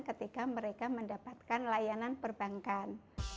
ketika mereka mendapatkan layanan perbankan